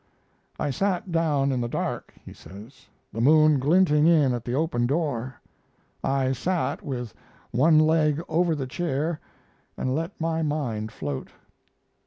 "I sat down in the dark," he says, "the moon glinting in at the open door. I sat with one leg over the chair and let my mind float."